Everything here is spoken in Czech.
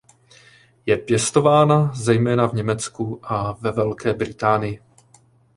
Je pěstována zejména v Německu a ve Velké Británii.